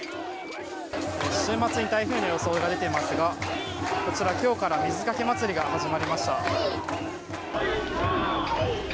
週末に台風の予想が出ていますが今日から水かけ祭りが始まりました。